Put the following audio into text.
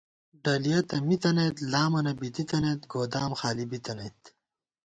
ڈلِیَہ تہ مِتَنَئیت، لامَنہ بی دِی تَنَئیت، گودام خالی بِتَنَئیت